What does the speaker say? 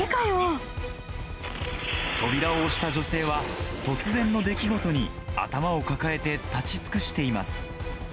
扉を押した女性は、突然の出来事に頭を抱えて立ち尽くしています。